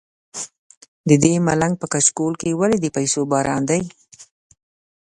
ددې ملنګ په کچکول ولې د پیسو باران دی.